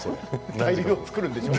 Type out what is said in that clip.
対流を作るんでしょう？